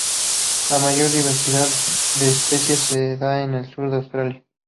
La mayor diversidad de especies se da en el sur de Australia.